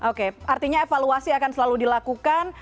oke artinya evaluasi akan selalu dilakukan